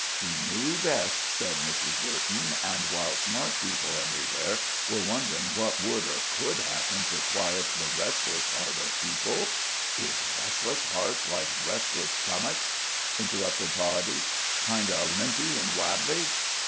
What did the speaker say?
"He knew best," said Mrs. Burton. "And while smart people everywhere were wondering what would or could happen to quiet the restless heart of people " "Izh restless hearts like restless tummuks?" interrupted Toddie. "Kind o' limpy an' wabbley?"